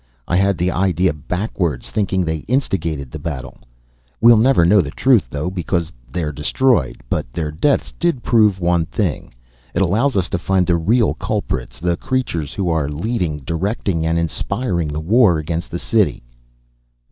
I had the idea backwards thinking they instigated the battle. We'll never know the truth, though, because they are destroyed. But their deaths did prove one thing. It allows us to find the real culprits, the creatures who are leading, directing and inspiring the war against the city."